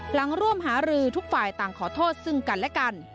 ร่วมหารือทุกฝ่ายต่างขอโทษซึ่งกันและกัน